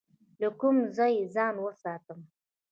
له کوم ځای ځان وساتم؟